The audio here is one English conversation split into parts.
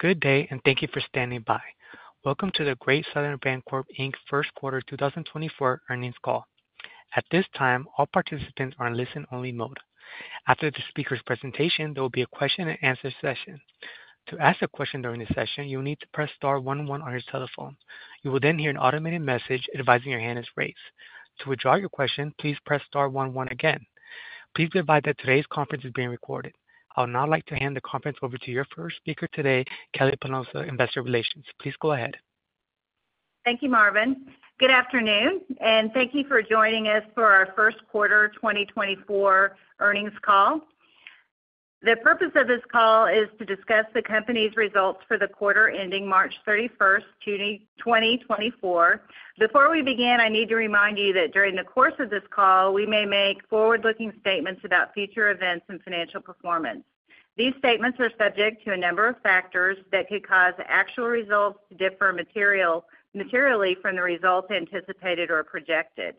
Good day and thank you for standing by. Welcome to the Great Southern Bancorp, Inc. first quarter 2024 earnings call. At this time, all participants are in listen-only mode. After the speaker's presentation, there will be a question-and-answer session. To ask a question during the session, you will need to press star one one on your telephone. You will then hear an automated message advising your hand is raised. To withdraw your question, please press star one one again. Please be aware that today's conference is being recorded. I would now like to hand the conference over to your first speaker today, Kelly Polonus, Investor Relations. Please go ahead. Thank you, Marvin. Good afternoon, and thank you for joining us for our first quarter 2024 earnings call. The purpose of this call is to discuss the company's results for the quarter ending March 31st, 2024. Before we begin, I need to remind you that during the course of this call, we may make forward-looking statements about future events and financial performance. These statements are subject to a number of factors that could cause actual results to differ materially from the results anticipated or projected.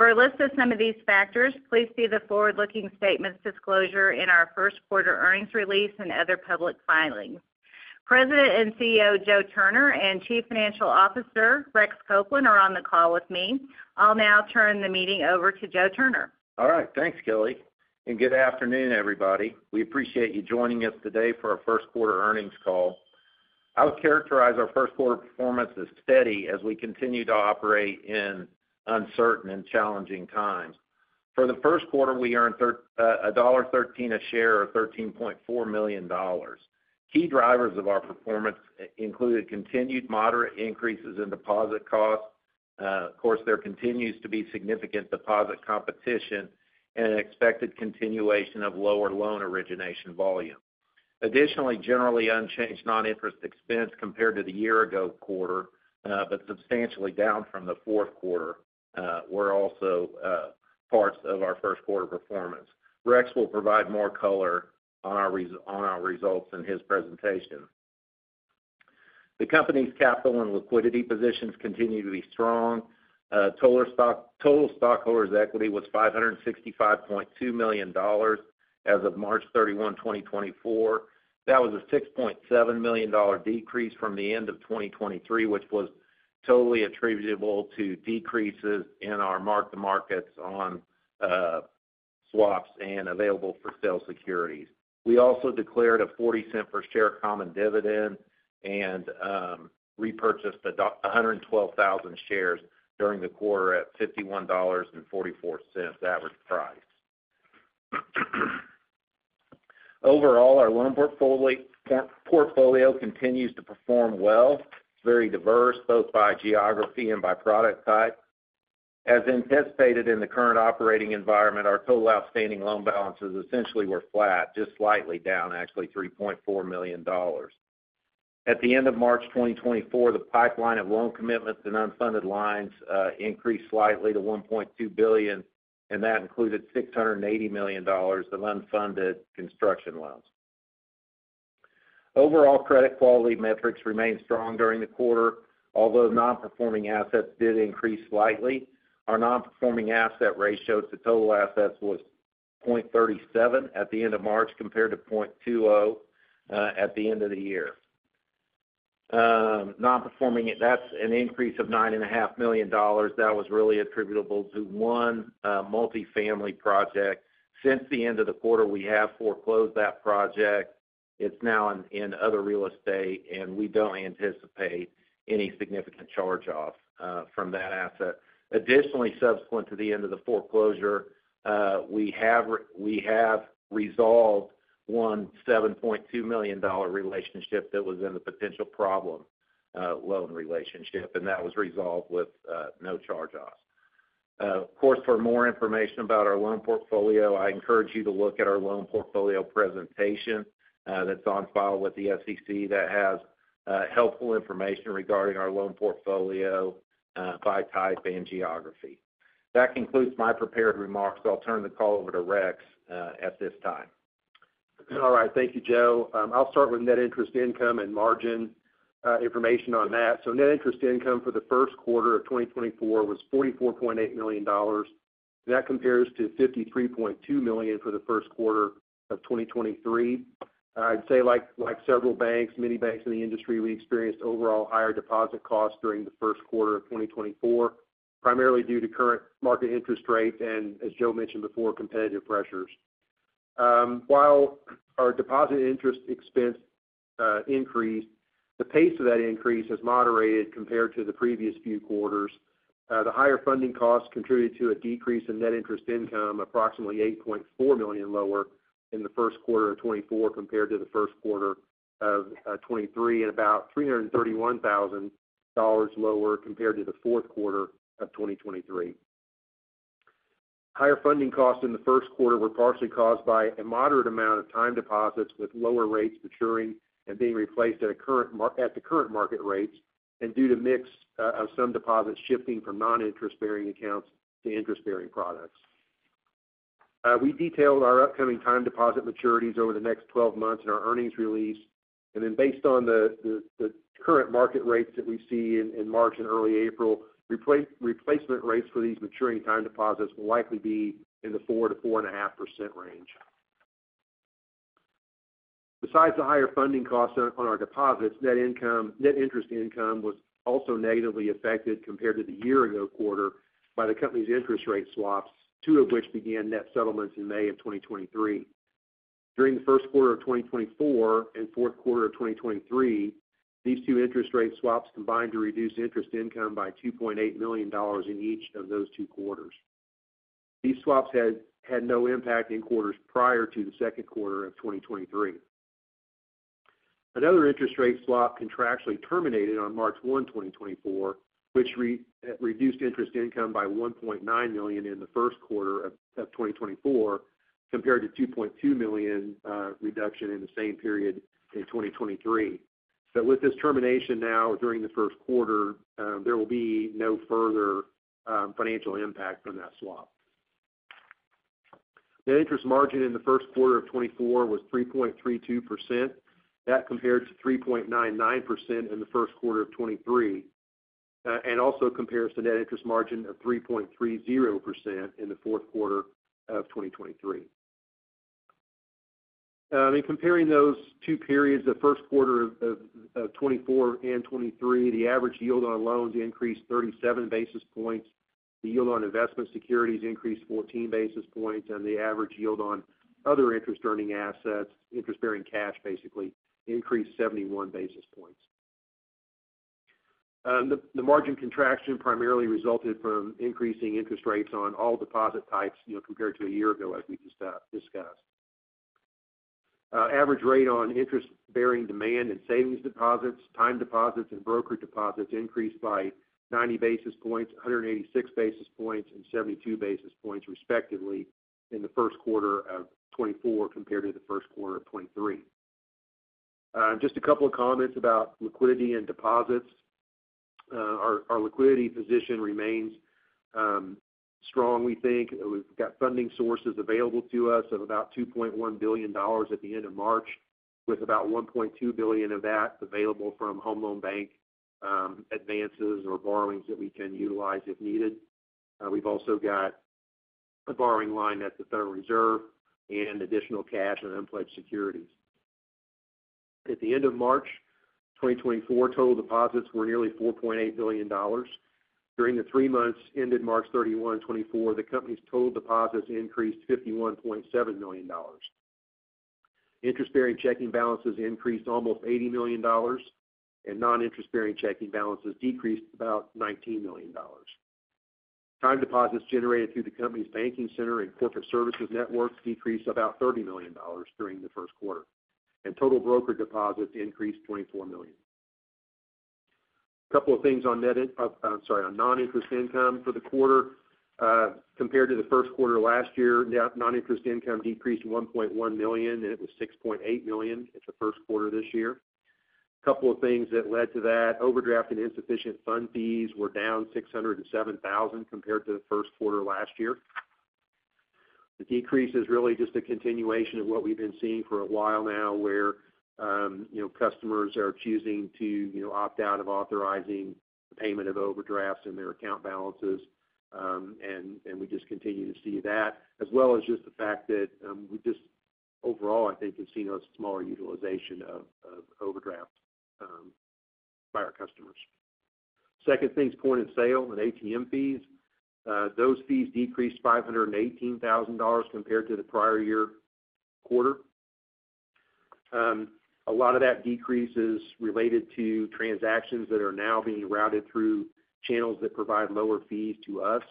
For a list of some of these factors, please see the forward-looking statements disclosure in our first quarter earnings release and other public filings. President and CEO Joe Turner and Chief Financial Officer Rex Copeland are on the call with me. I'll now turn the meeting over to Joe Turner. All right. Thanks, Kelly, and good afternoon, everybody. We appreciate you joining us today for our first quarter earnings call. I would characterize our first quarter performance as steady as we continue to operate in uncertain and challenging times. For the first quarter, we earned $1.13 a share or $13.4 million. Key drivers of our performance included continued moderate increases in deposit costs. Of course, there continues to be significant deposit competition and an expected continuation of lower loan origination volume. Additionally, generally unchanged non-interest expense compared to the year-ago quarter, but substantially down from the fourth quarter, were also parts of our first quarter performance. Rex will provide more color on our results in his presentation. The company's capital and liquidity positions continue to be strong. Total stockholders' equity was $565.2 million as of March 31, 2024. That was a $6.7 million decrease from the end of 2023, which was totally attributable to decreases in our mark-to-market on swaps and available-for-sale securities. We also declared a $0.40 per share common dividend and repurchased 112,000 shares during the quarter at $51.44 average price. Overall, our loan portfolio continues to perform well. It's very diverse, both by geography and by product type. As anticipated in the current operating environment, our total outstanding loan balances essentially were flat, just slightly down, actually $3.4 million. At the end of March 2024, the pipeline of loan commitments and unfunded lines increased slightly to $1.2 billion, and that included $680 million of unfunded construction loans. Overall, credit quality metrics remained strong during the quarter, although non-performing assets did increase slightly. Our non-performing asset ratio to total assets was 0.37 at the end of March compared to 0.20 at the end of the year. That's an increase of $9.5 million. That was really attributable to one multifamily project. Since the end of the quarter, we have foreclosed that project. It's now in other real estate, and we don't anticipate any significant charge-off from that asset. Additionally, subsequent to the end of the foreclosure, we have resolved one $7.2 million relationship that was in the potential problem loan relationship, and that was resolved with no charge-offs. Of course, for more information about our loan portfolio, I encourage you to look at our loan portfolio presentation that's on file with the SEC that has helpful information regarding our loan portfolio by type and geography. That concludes my prepared remarks. I'll turn the call over to Rex at this time. All right. Thank you, Joe. I'll start with net interest income and margin information on that. So net interest income for the first quarter of 2024 was $44.8 million. That compares to $53.2 million for the first quarter of 2023. I'd say, like several banks, many banks in the industry, we experienced overall higher deposit costs during the first quarter of 2024, primarily due to current market interest rates and, as Joe mentioned before, competitive pressures. While our deposit interest expense increased, the pace of that increase has moderated compared to the previous few quarters. The higher funding costs contributed to a decrease in net interest income, approximately $8.4 million lower in the first quarter of 2024 compared to the first quarter of 2023 and about $331,000 lower compared to the fourth quarter of 2023. Higher funding costs in the first quarter were partially caused by a moderate amount of time deposits with lower rates maturing and being replaced at the current market rates and due to mix of some deposits shifting from non-interest-bearing accounts to interest-bearing products. We detailed our upcoming time deposit maturities over the next 12 months in our earnings release. Then based on the current market rates that we see in March and early April, replacement rates for these maturing time deposits will likely be in the 4%-4.5% range. Besides the higher funding costs on our deposits, net interest income was also negatively affected compared to the year-ago quarter by the company's interest rate swaps, two of which began net settlements in May of 2023. During the first quarter of 2024 and fourth quarter of 2023, these two interest rate swaps combined to reduce interest income by $2.8 million in each of those two quarters. These swaps had no impact in quarters prior to the second quarter of 2023. Another interest rate swap contractually terminated on March 1, 2024, which reduced interest income by $1.9 million in the first quarter of 2024 compared to a $2.2 million reduction in the same period in 2023. So with this termination now during the first quarter, there will be no further financial impact from that swap. Net interest margin in the first quarter of 2024 was 3.32%. That compared to 3.99% in the first quarter of 2023 and also compares to net interest margin of 3.30% in the fourth quarter of 2023. I mean, comparing those two periods, the first quarter of 2024 and 2023, the average yield on loans increased 37 basis points. The yield on investment securities increased 14 basis points, and the average yield on other interest-earning assets, interest-bearing cash, basically, increased 71 basis points. The margin contraction primarily resulted from increasing interest rates on all deposit types compared to a year ago, as we discussed. Average rate on interest-bearing demand and savings deposits, time deposits, and broker deposits increased by 90 basis points, 186 basis points, and 72 basis points, respectively, in the first quarter of 2024 compared to the first quarter of 2023. Just a couple of comments about liquidity and deposits. Our liquidity position remains strong, we think. We've got funding sources available to us of about $2.1 billion at the end of March, with about $1.2 billion of that available from Home Loan Bank advances or borrowings that we can utilize if needed. We've also got a borrowing line at the Federal Reserve and additional cash and unpledged securities. At the end of March 2024, total deposits were nearly $4.8 billion. During the three months ended March 31st, 2024, the company's total deposits increased $51.7 million. Interest-bearing checking balances increased almost $80 million, and non-interest-bearing checking balances decreased about $19 million. Time deposits generated through the company's banking center and corporate services networks decreased about $30 million during the first quarter, and total broker deposits increased $24 million. A couple of things on net, I'm sorry, on non-interest income for the quarter. Compared to the first quarter last year, non-interest income decreased $1.1 million, and it was $6.8 million in the first quarter this year. A couple of things that led to that: overdraft and insufficient fund fees were down $607,000 compared to the first quarter last year. The decrease is really just a continuation of what we've been seeing for a while now, where customers are choosing to opt out of authorizing the payment of overdrafts in their account balances, and we just continue to see that, as well as just the fact that we just, overall, I think, have seen a smaller utilization of overdrafts by our customers. Second thing is point-of-sale and ATM fees. Those fees decreased $518,000 compared to the prior year quarter. A lot of that decrease is related to transactions that are now being routed through channels that provide lower fees to us.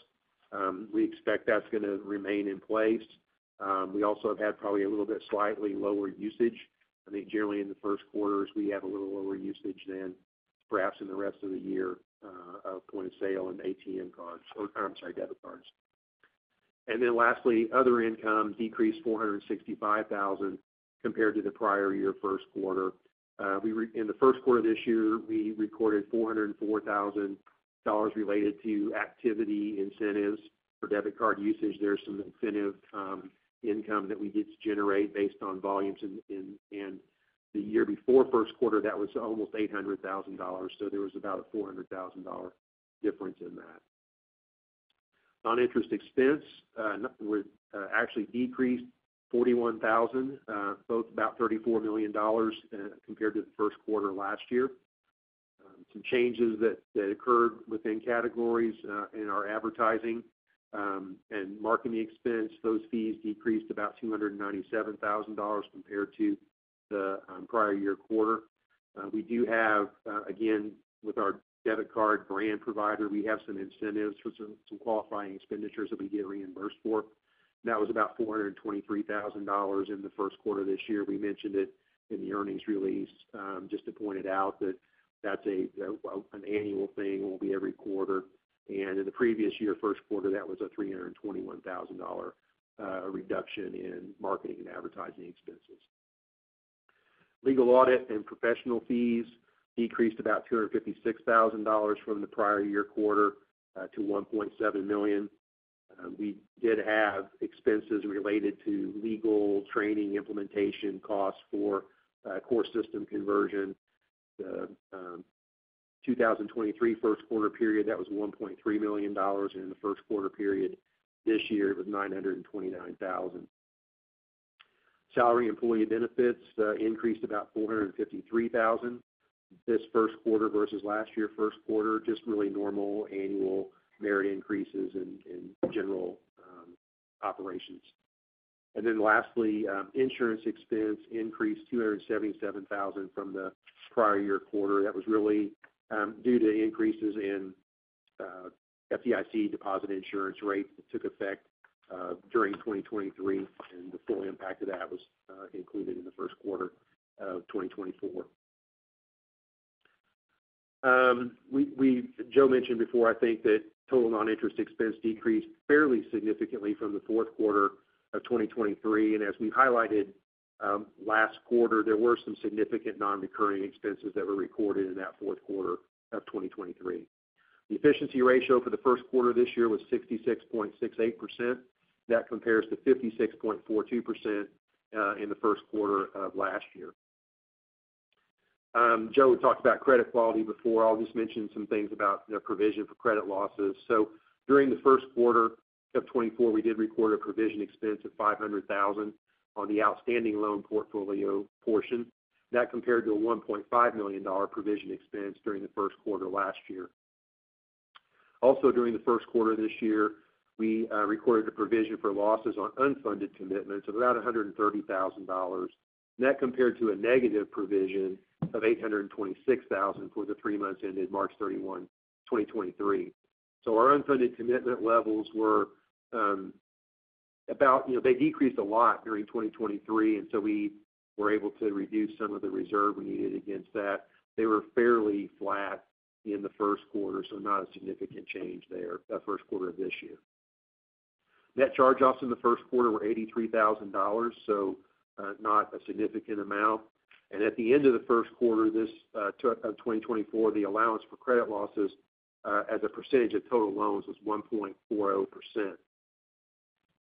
We expect that's going to remain in place. We also have had probably a little bit slightly lower usage. I think generally in the first quarters, we have a little lower usage than perhaps in the rest of the year of point-of-sale and ATM cards or, I'm sorry, debit cards. And then lastly, other income decreased $465,000 compared to the prior year first quarter. In the first quarter of this year, we recorded $404,000 related to activity incentives for debit card usage. There's some incentive income that we get to generate based on volumes. And the year before first quarter, that was almost $800,000, so there was about a $400,000 difference in that. Non-interest expense actually decreased $41,000 to about $34 million compared to the first quarter last year. Some changes that occurred within categories in our advertising and marketing expense, those fees decreased about $297,000 compared to the prior year quarter. We do have, again, with our debit card brand provider, we have some incentives for some qualifying expenditures that we get reimbursed for. That was about $423,000 in the first quarter this year. We mentioned it in the earnings release just to point it out that that's an annual thing and will be every quarter. And in the previous year, first quarter, that was a $321,000 reduction in marketing and advertising expenses. Legal, audit, and professional fees decreased about $256,000 from the prior year quarter to $1.7 million. We did have expenses related to legal training implementation costs for core system conversion. The 2023 first quarter period, that was $1.3 million, and in the first quarter period this year, it was $929,000. Salary employee benefits increased about $453,000 this first quarter versus last year first quarter, just really normal annual merit increases in general operations. Then lastly, insurance expense increased $277,000 from the prior year quarter. That was really due to increases in FDIC deposit insurance rates that took effect during 2023, and the full impact of that was included in the first quarter of 2024. Joe mentioned before, I think, that total non-interest expense decreased fairly significantly from the fourth quarter of 2023. And as we highlighted last quarter, there were some significant non-recurring expenses that were recorded in that fourth quarter of 2023. The efficiency ratio for the first quarter this year was 66.68%. That compares to 56.42% in the first quarter of last year. Joe talked about credit quality before. I'll just mention some things about the provision for credit losses. During the first quarter of 2024, we did record a provision expense of $500,000 on the outstanding loan portfolio portion. That compared to a $1.5 million provision expense during the first quarter last year. Also, during the first quarter this year, we recorded a provision for losses on unfunded commitments of about $130,000. That compared to a negative provision of $826,000 for the three months ended March 31st, 2023. So our unfunded commitment levels were, they decreased a lot during 2023, and so we were able to reduce some of the reserve we needed against that. They were fairly flat in the first quarter, so not a significant change there, that first quarter of this year. Net charge-offs in the first quarter were $83,000, so not a significant amount. And at the end of the first quarter of 2024, the allowance for credit losses as a percentage of total loans was 1.40%.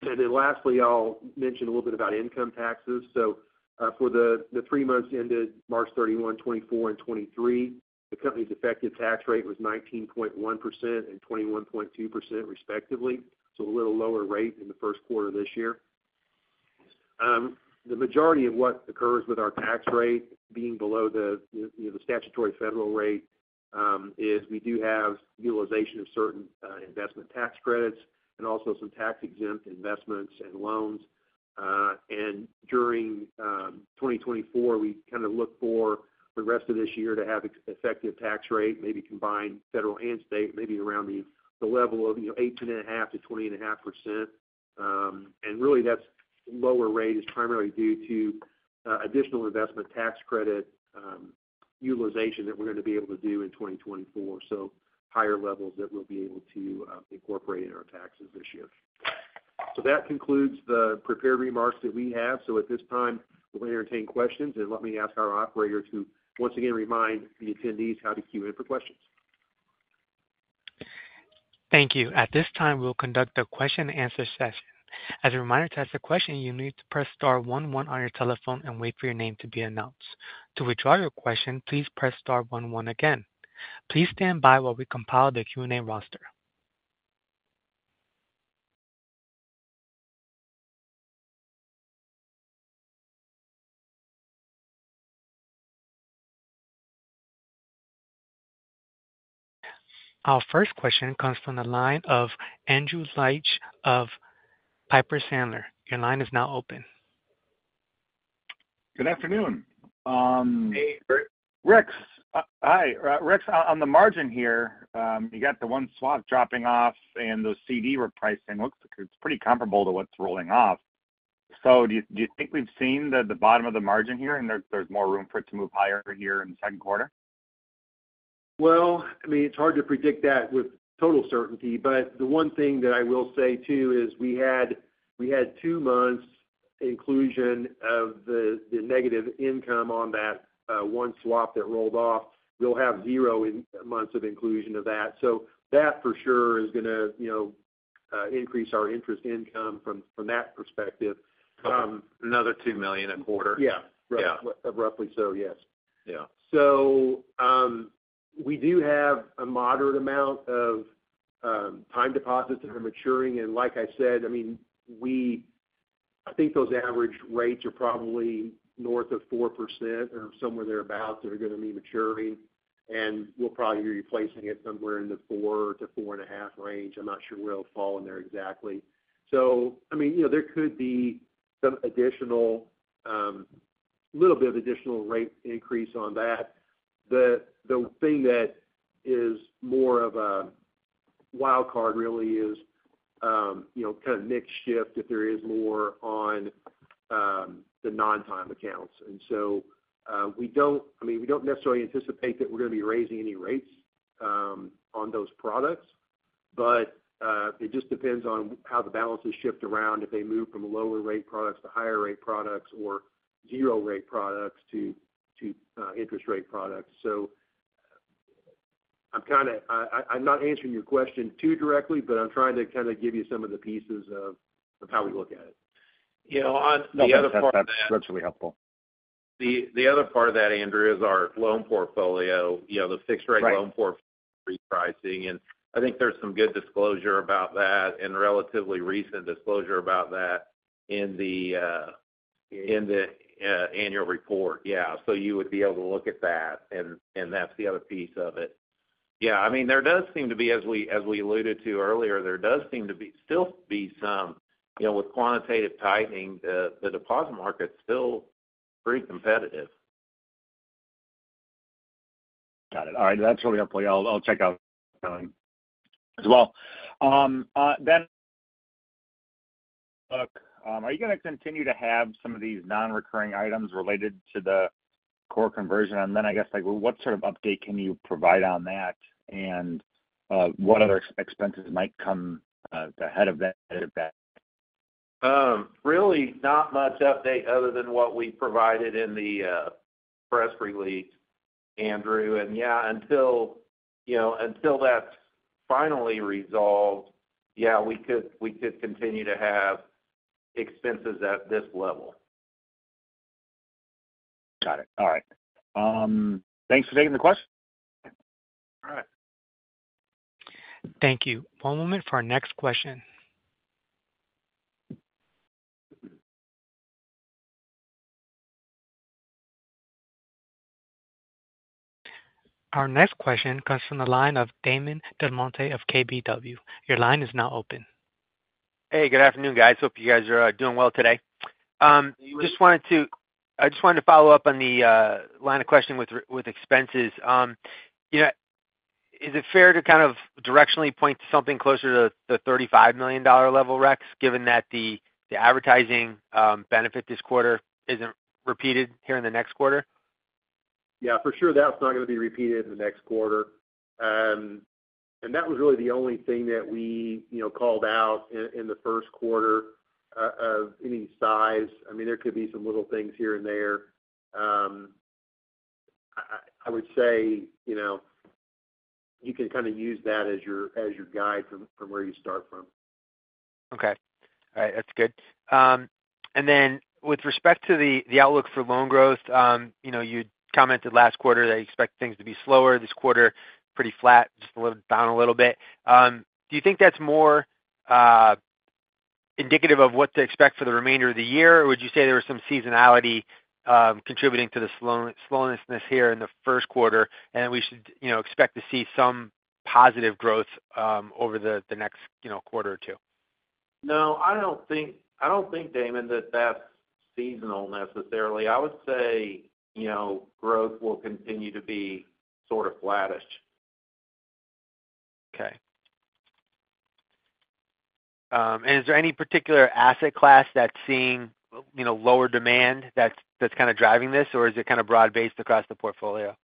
And then lastly, I'll mention a little bit about income taxes. So for the three months ended March 31st, 2024, and 2023, the company's effective tax rate was 19.1% and 21.2%, respectively, so a little lower rate in the first quarter this year. The majority of what occurs with our tax rate being below the statutory federal rate is we do have utilization of certain investment tax credits and also some tax-exempt investments and loans. And during 2024, we kind of look for the rest of this year to have an effective tax rate, maybe combined federal and state, maybe around the level of 18.5%-20.5%. And really, that lower rate is primarily due to additional investment tax credit utilization that we're going to be able to do in 2024, so higher levels that we'll be able to incorporate in our taxes this year. So that concludes the prepared remarks that we have. At this time, we'll entertain questions, and let me ask our operator to once again remind the attendees how to cue in for questions. Thank you. At this time, we'll conduct a question-and-answer session. As a reminder to ask a question, you need to press star one one on your telephone and wait for your name to be announced. To withdraw your question, please press star one one again. Please stand by while we compile the Q&A roster. Our first question comes from the line of Andrew Liesch of Piper Sandler. Your line is now open. Good afternoon. Hey, Andrew. Rex, hi. Rex, on the margin here, you got the one swap dropping off and the CD repricing. It's pretty comparable to what's rolling off. So do you think we've seen the bottom of the margin here, and there's more room for it to move higher here in the second quarter? Well, I mean, it's hard to predict that with total certainty, but the one thing that I will say, too, is we had two months' inclusion of the negative income on that one swap that rolled off. We'll have zero months of inclusion of that. So that for sure is going to increase our interest income from that perspective. Another $2 million a quarter. Yeah, roughly so, yes. So we do have a moderate amount of time deposits that are maturing. And like I said, I mean, I think those average rates are probably north of 4% or somewhere thereabouts that are going to be maturing. And we'll probably hear you placing it somewhere in the 4%-4.5% range. I'm not sure where it'll fall in there exactly. So I mean, there could be some additional little bit of additional rate increase on that. The thing that is more of a wildcard, really, is kind of a mixed shift if there is more on the non-time accounts. And so we don't, I mean, we don't necessarily anticipate that we're going to be raising any rates on those products, but it just depends on how the balances shift around, if they move from lower-rate products to higher-rate products or 0-rate products to interest-rate products. I'm not answering your question too directly, but I'm trying to kind of give you some of the pieces of how we look at it. Yeah. On the other part of that. That's really helpful. The other part of that, Andrew, is our loan portfolio, the fixed-rate loan portfolio repricing. I think there's some good disclosure about that and relatively recent disclosure about that in the annual report. Yeah. So you would be able to look at that, and that's the other piece of it. Yeah. I mean, there does seem to be, as we alluded to earlier, there does seem to still be some with quantitative tightening, the deposit market's still pretty competitive. Got it. All right. That's really helpful. I'll check out that as well. Then, look, are you going to continue to have some of these non-recurring items related to the core conversion? And then I guess, what sort of update can you provide on that, and what other expenses might come ahead of that? Really, not much update other than what we provided in the press release, Andrew. Yeah, until that's finally resolved, yeah, we could continue to have expenses at this level. Got it. All right. Thanks for taking the question. All right. Thank you. One moment for our next question. Our next question comes from the line of Damon DelMonte of KBW. Your line is now open. Hey, good afternoon, guys. Hope you guys are doing well today. I just wanted to follow up on the line of questioning with expenses. Is it fair to kind of directionally point to something closer to the $35 million level, Rex, given that the advertising benefit this quarter isn't repeated here in the next quarter? Yeah, for sure. That's not going to be repeated in the next quarter. That was really the only thing that we called out in the first quarter of any size. I mean, there could be some little things here and there. I would say you can kind of use that as your guide from where you start from. Okay. All right. That's good. And then with respect to the outlook for loan growth, you commented last quarter that you expect things to be slower. This quarter, pretty flat, just down a little bit. Do you think that's more indicative of what to expect for the remainder of the year, or would you say there was some seasonality contributing to the slowness here in the first quarter, and then we should expect to see some positive growth over the next quarter or two? No, I don't think, Damon, that that's seasonal necessarily. I would say growth will continue to be sort of flattish. Okay. And is there any particular asset class that's seeing lower demand that's kind of driving this, or is it kind of broad-based across the portfolio?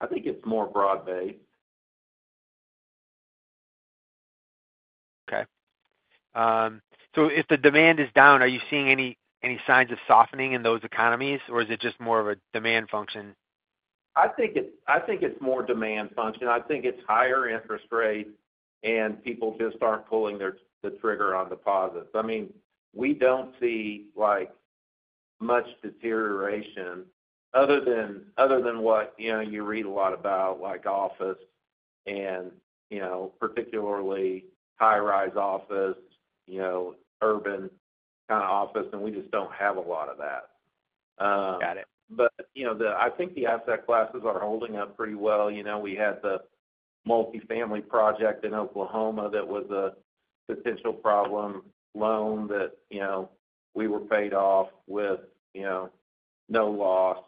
I think it's more broad-based. Okay. If the demand is down, are you seeing any signs of softening in those economies, or is it just more of a demand function? I think it's more demand function. I think it's higher interest rates, and people just aren't pulling the trigger on deposits. I mean, we don't see much deterioration other than what you read a lot about, like office, and particularly high-rise office, urban kind of office, and we just don't have a lot of that. But I think the asset classes are holding up pretty well. We had the multifamily project in Oklahoma that was a potential problem loan that we were paid off with no loss.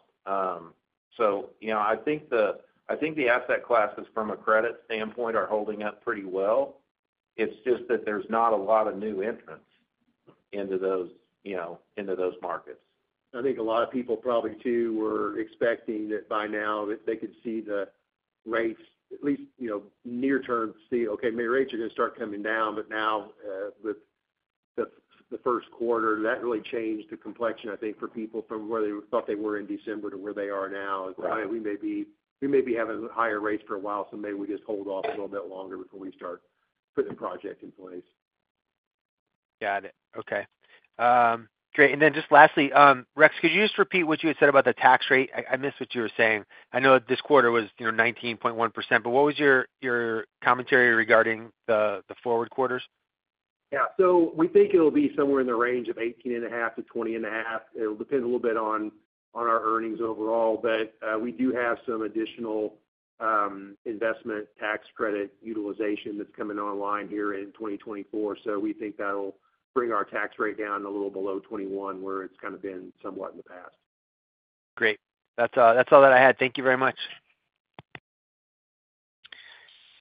So I think the asset classes, from a credit standpoint, are holding up pretty well. It's just that there's not a lot of new entrants into those markets. I think a lot of people probably, too, were expecting that by now, they could see the rates, at least near-term, see, "Okay, maybe rates are going to start coming down," but now with the first quarter, that really changed the complexion, I think, for people from where they thought they were in December to where they are now. It's like, "All right, we may be having higher rates for a while, so maybe we just hold off a little bit longer before we start putting the project in place. Got it. Okay. Great. And then just lastly, Rex, could you just repeat what you had said about the tax rate? I missed what you were saying. I know this quarter was 19.1%, but what was your commentary regarding the forward quarters? Yeah. So we think it'll be somewhere in the range of 18.5-20.5. It'll depend a little bit on our earnings overall, but we do have some additional investment tax credit utilization that's coming online here in 2024, so we think that'll bring our tax rate down a little below 21, where it's kind of been somewhat in the past. Great. That's all that I had. Thank you very much.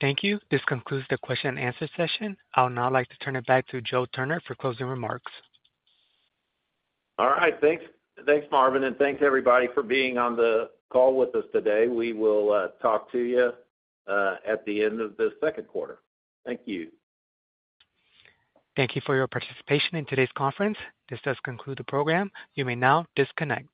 Thank you. This concludes the question-and-answer session. I'll now like to turn it back to Joe Turner for closing remarks. All right. Thanks. Thanks, Marvin, and thanks, everybody, for being on the call with us today. We will talk to you at the end of the second quarter. Thank you. Thank you for your participation in today's conference. This does conclude the program. You may now disconnect.